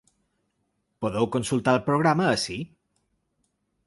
Podeu consultar el programa ací.